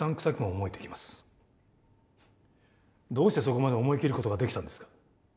どうしてそこまで思い切ることができたんですか？